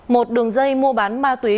một đường dây mua bán ma túy